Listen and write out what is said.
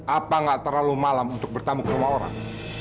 apa gak terlalu malam untuk bertamu ke rumah orang